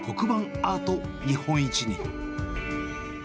アート日本一に。